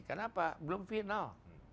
kenapa belum final